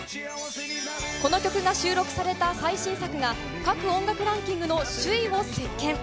この曲が収録された最新作が各音楽ランキングの首位を席巻。